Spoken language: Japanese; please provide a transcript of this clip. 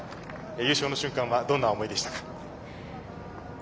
優勝の瞬間はどんな思いでしたか？